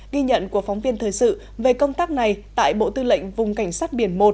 ghi nhận của phóng viên thời sự về công tác này tại bộ tư lệnh vùng cảnh sát biển một